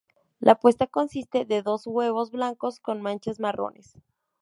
La puesta consiste de dos huevos blancos con manchas marrones.